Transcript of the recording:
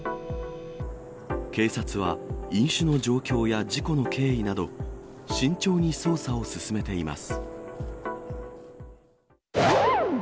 警察は飲酒の状況や事故の経緯など、慎重に捜査を進めています。